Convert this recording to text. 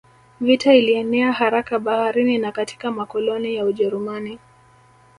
Vita ilienea haraka Baharini na katika makoloni ya Ujerumani